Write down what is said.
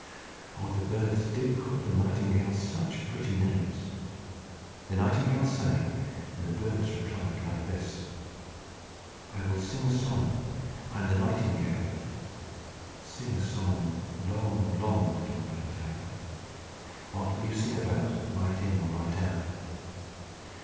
Oh, the birds did call the nightingale such pretty names! The nightingale sang, and the birds replied like this: "I will sing a song. I'm the nightingale." "Sing a song, long, long, Little Neverfail! What will you sing about, Light in or light out?"